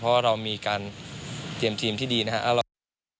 เพราะเรามีการเตรียมทีมที่ดีนะครับ